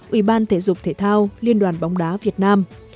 ủy ban thể dục thể thao liên đoàn bóng đá việt nam